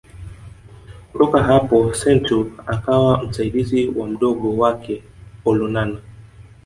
Kutoka hapo Santeu akawa msaidizi wa Mdogo wake Olonana